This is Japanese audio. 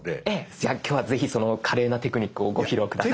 じゃあ今日はぜひその華麗なテクニックをご披露下さい。